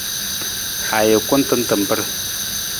Ajukun tan tamar.